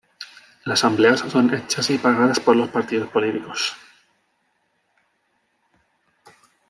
Las asambleas son hechas y pagadas por los partidos políticos.